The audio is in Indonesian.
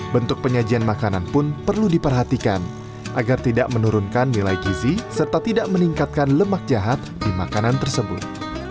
bentuk penyajian makanan pun perlu diperhatikan agar tidak menurunkan nilai gizi serta tidak meningkatkan lemak jahat di makanan tersebut